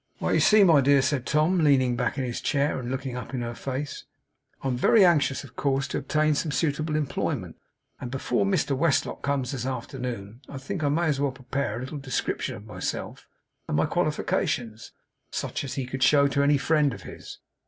'Why, you see, my dear,' said Tom, leaning back in his chair, and looking up in her face, 'I am very anxious, of course, to obtain some suitable employment; and before Mr Westlock comes this afternoon, I think I may as well prepare a little description of myself and my qualifications; such as he could show to any friend of his.